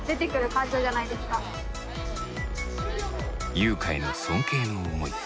ゆうかへの尊敬の思い。